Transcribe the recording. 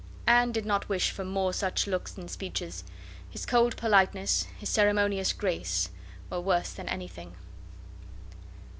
Anne did not wish for more of such looks and speeches. His cold politeness, his ceremonious grace, were worse than anything.